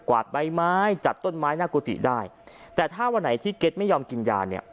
วาดใบไม้จัดต้นไม้หน้ากุฏิได้แต่ถ้าวันไหนที่เก็ตไม่ยอมกินยาเนี่ย